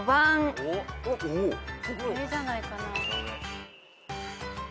あれじゃないかな？